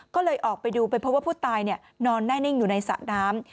ก็เลยออกไปดูไปพบว่าผู้ตายนอนแน่นิ่งอยู่ในสระน้ำ